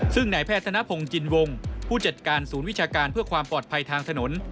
ซึ่งนายแพทย์ธนพงศ์จินวงผู้จัดการศูนย์วิชาการเพื่อความปลอดภัยทางถนน